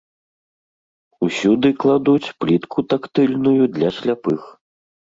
Усюды кладуць плітку тактыльную для сляпых.